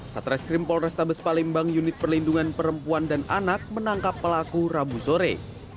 satreskrim polrestabes palembang unit perlindungan perempuan dan anak menangkap pelaku rabu sore